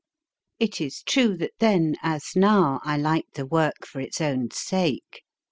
It is true that then, as now, I liked the work for its own sake.